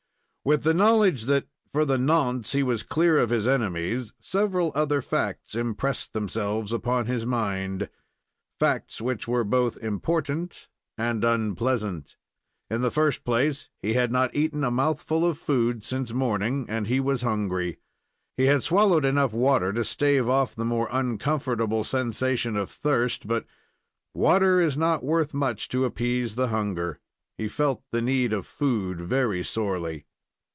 With the knowledge that for the nonce he was clear of his enemies, several other facts impressed themselves upon his mind facts which were both important and unpleasant. In the first place, he had not eaten a mouthful of food since morning, and he was hungry. He had swallowed enough water to stave off the more uncomfortable sensation of thirst, but water is not worth much to appease the hunger. He felt the need of food very sorely.